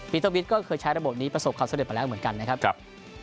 วิทยาลักษณ์ก็เคยใช้ระบบนี้ประสบเขาเสด็จไปแล้วเหมือนกันนะครับ